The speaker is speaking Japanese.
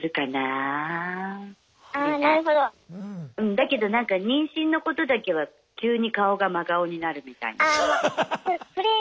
だけどなんか妊娠のことだけは急に顔が真顔になるみたいな。